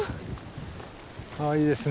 あいいですね。